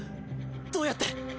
どうやって！？